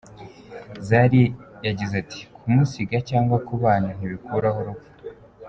Zari yagize ati “Kumusiga cyangwa kubana ntibikuraho urupfu.